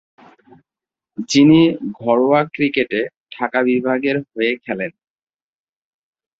যিনি ঘরোয়া ক্রিকেটে ঢাকা বিভাগের হয়ে খেলেন।